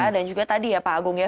dan juga tadi ya pak agung ya